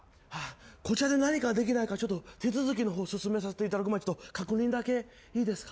こちらで何かできないか手続き進めさせていただく前に確認だけいいですか？